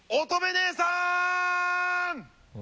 姉さん。